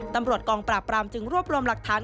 ตำรวจกองปราบปรามจึงรวบรวมหลักฐาน